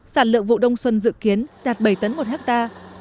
sản lượng vụ đông xuân dự kiến đạt bảy tấn một hectare